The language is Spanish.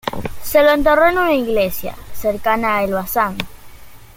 Se lo enterró en una iglesia cercana a Elbasan.